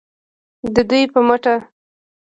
د دوی په مټه